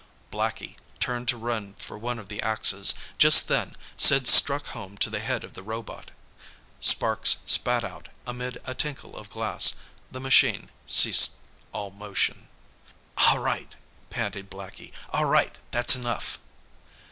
Blackie turned to run for one of the axes. Just then, Sid struck home to the head of the robot. Sparks spat out amid a tinkle of glass. The machine ceased all motion. "All right!" panted Blackie. "All right! That's enough!"